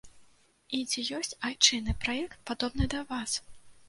І ці ёсць айчынны праект, падобны да вас?